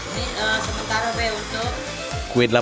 ini sementara kue utuh